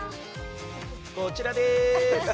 こちらでーす！